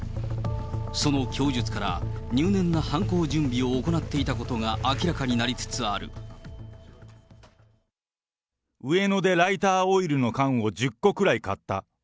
その供述から入念な犯行準備を行っていたことが明らかになりつつ上野でライターオイルの缶を１０個くらい買った。